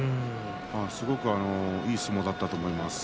すごくいい相撲だったと思います。